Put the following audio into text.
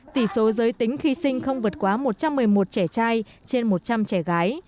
tỷ số giới tính khi sinh không vượt quá một trăm một mươi một trẻ trai trên một trăm linh trẻ gái